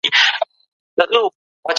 د هانمین ماشین تر سترګو ډېر دقیق دی.